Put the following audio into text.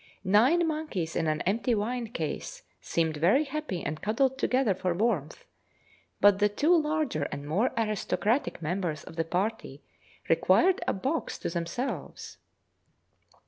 Nine monkeys in an empty wine case seemed very happy and cuddled together for warmth, but the two larger and more aristocratic members of the party required a box to themselves.